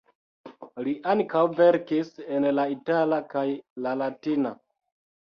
Li ankaŭ verkis en la itala kaj la latina.